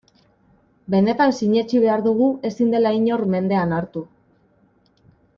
Benetan sinetsi behar dugu ezin dela inor mendean hartu.